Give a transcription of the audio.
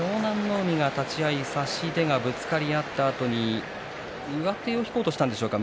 海は立ち合い差し手がぶつかり合ったあとに上手を引こうとしたんでしょうか。